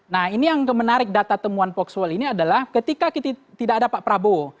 nah ini yang menarik data temuan poksual ini adalah ketika tidak ada pak prabowo